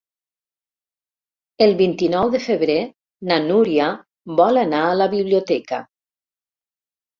El vint-i-nou de febrer na Núria vol anar a la biblioteca.